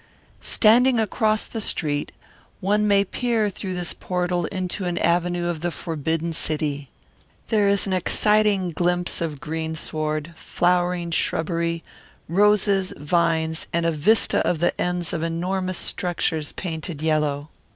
Standing across the street, one may peer through this portal into an avenue of the forbidden city. There is an exciting glimpse of greensward, flowering shrubbery, roses, vines, and a vista of the ends of enormous structures painted yellow.